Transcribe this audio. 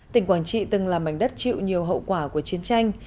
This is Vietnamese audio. tỉnh quảng trị từng là mảnh đất chịu nhiều hậu quả của chiến tranh